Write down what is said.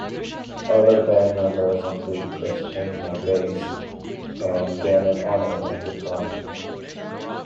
Other band members include Chris Chaney on bass and Gannin Arnold on guitar.